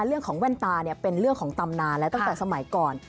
แว่นตาเนี่ยเป็นเรื่องของตำนานแล้วตั้งแต่สมัยก่อน